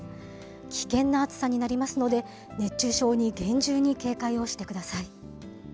危険な暑さになりますので、熱中症に厳重に警戒をしてください。